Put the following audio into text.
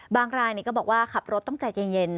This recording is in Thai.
รายนี้ก็บอกว่าขับรถต้องใจเย็น